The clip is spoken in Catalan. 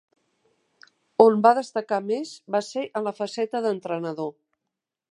On va destacar més va ser en la faceta d'entrenador.